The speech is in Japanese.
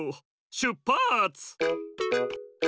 しゅっぱつ！